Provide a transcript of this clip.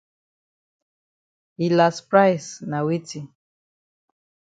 Yi las price na weti?